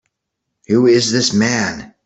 Who is this man?